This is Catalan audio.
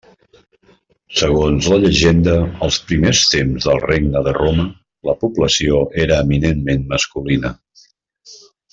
Segons la llegenda, als primers temps del Regne de Roma la població era eminentment masculina.